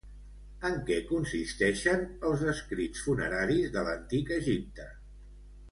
En què consisteixen els escrits funeraris de l'Antic Egipte?